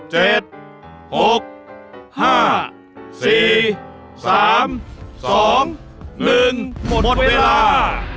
หมดเวลา